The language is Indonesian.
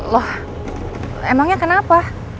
loh emangnya kenapa